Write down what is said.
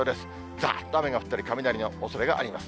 ざーっと雨が降ったり、雷が鳴るおそれがあります。